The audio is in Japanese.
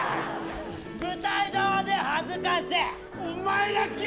舞台上で恥ずかしい。